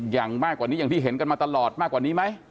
อย่างมากกว่านี้อย่างที่เห็นกันมาตลอดมากกว่านี้ไหม